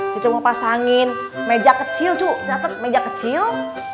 cece mau pasangin meja kecil cu catet meja kecil